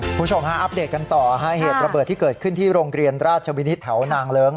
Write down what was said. คุณผู้ชมฮะอัปเดตกันต่อฮะเหตุระเบิดที่เกิดขึ้นที่โรงเรียนราชวินิตแถวนางเลิ้ง